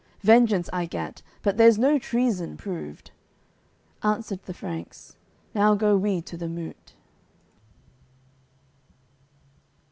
Vengeance I gat, but there's no treason proved." Answered the Franks: "Now go we to the moot.